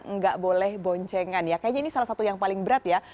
nggak boleh boncengan ya kayaknya ini salah satu yang paling berat ya